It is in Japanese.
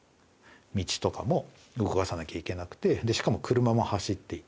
道とかも動かさなきゃいけなくてでしかも車も走っていて。